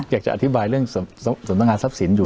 อยากจะอธิบายเรื่องสำนักงานทรัพย์สินอยู่